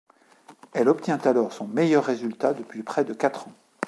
Elle obtient alors son meilleur résultat depuis près de quatre ans.